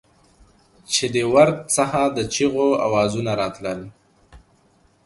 چې د ورد څخه د چېغو اوزونه راتلل.